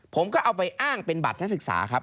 ผมก็เอาไปอ้างเป็นบัตรนักศึกษาครับ